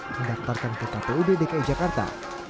mendaftarkan ke kpud dki jakarta